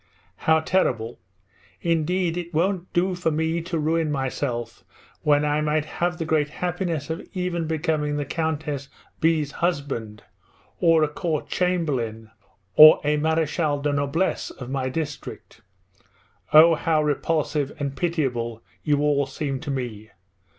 How terrible! Indeed it won't do for me to ruin myself when I might have the great happiness of even becoming the Countess B 's husband, or a Court chamberlain, or a Marechal de noblesse of my district. Oh, how repulsive and pitiable you all seem to me!